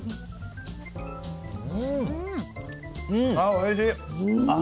おいしい！